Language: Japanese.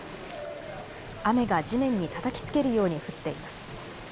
雨が地面にたたきつけるように降っています。